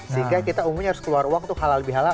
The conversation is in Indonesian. sehingga kita umumnya harus keluar uang untuk halal bihalal